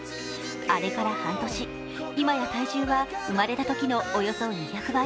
あれから半年、今や体重は生まれたときのおよそ２００倍。